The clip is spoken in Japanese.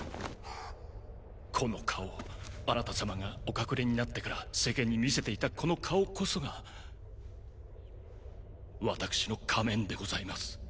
この顔あなた様がお隠れになってから世間に見せていたこの顔こそが私の仮面でございます